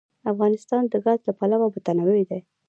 افغانستان د ګاز له پلوه متنوع دی.